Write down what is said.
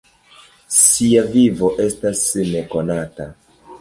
Sia vivo estas nekonata.